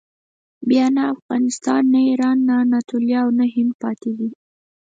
بیا نه افغانستان، نه ایران، نه اناتولیه او نه هند پاتې وي.